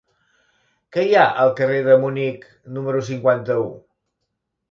Què hi ha al carrer de Munic número cinquanta-u?